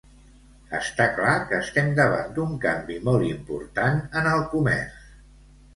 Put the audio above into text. Està clar que estem davant d'un canvi molt important en el comerç.